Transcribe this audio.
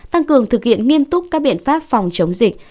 tăng cường thực hiện nghiêm túc các biện pháp phòng chống dịch